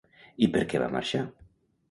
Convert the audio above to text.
I per què va marxar?